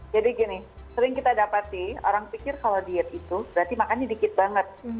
jadi gini sering kita dapati orang pikir kalau diet itu berarti makannya dikit banget